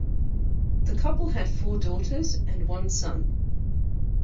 The couple had four daughters and one son.